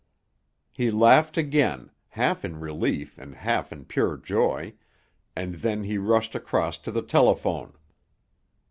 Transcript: He laughed again, half in relief and half in pure joy, and then he rushed across to the telephone.